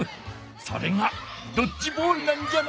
それがドッジボールなんじゃな。